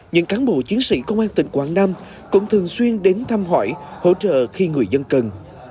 những cán bộ chiến sĩ công an tỉnh quảng nam cũng thường xuyên đến thăm hỏi hỗ trợ khi người dân cần